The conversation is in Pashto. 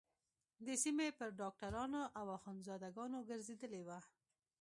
د سيمې پر ډاکترانو او اخوندزاده گانو گرځېدلې وه.